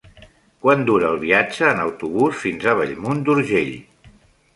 Quant dura el viatge en autobús fins a Bellmunt d'Urgell?